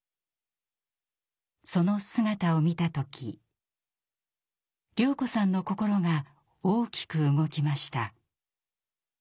その姿を見た時綾子さんの心が大きく動きました。